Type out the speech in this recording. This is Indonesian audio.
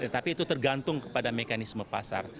tetapi itu tergantung kepada mekanisme pasar